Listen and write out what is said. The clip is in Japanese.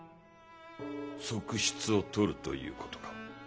側室をとるということか。